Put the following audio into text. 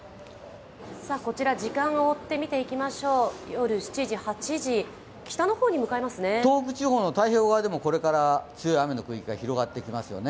こちら、時間を追って見ていきましょう、夜７時、８時、東北地方の太平洋側でも強い雨の区域広がっていきますよね。